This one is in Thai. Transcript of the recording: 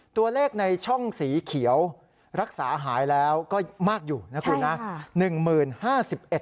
ตัวเลขในช่องสีเขียวรักษาหายแล้วก็มากอยู่นะคุณนะ